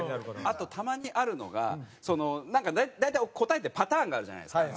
あとたまにあるのがそのなんか大体答えってパターンがあるじゃないですか。